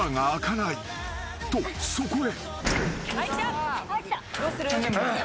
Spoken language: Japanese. ［とそこへ］